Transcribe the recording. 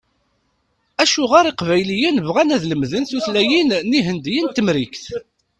Acuɣer Iqbayliyen bɣan ad lemden tutlayin n yihendiyen n Temrikt?